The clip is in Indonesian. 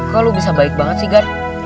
kok lu bisa baik banget sih gar